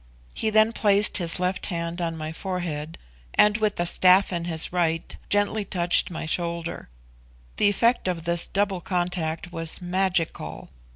He then placed his left hand on my forehead, and with the staff in his right, gently touched my shoulder. The effect of this double contact was magical.